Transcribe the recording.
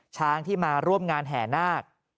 ช้างที่มาร่วมงานแห่นาค